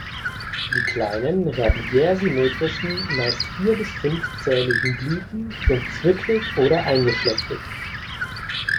Die kleinen, radiärsymmetrischen, meist vier- bis fünfzähligen Blüten sind zwittrig oder eingeschlechtig.